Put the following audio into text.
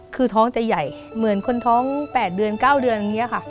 คือท้องจะใหญ่เหมือนคนท้อง๘เดือน๙เดือนอย่างนี้ค่ะ